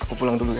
aku pulang dulu ya